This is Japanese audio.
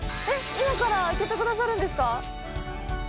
今から開けてくださるんですか？